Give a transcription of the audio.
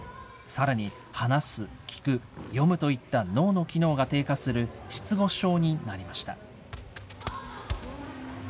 さらに話す、聞く、読むといった脳の機能が低下する失語症になりました。